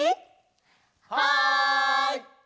はい！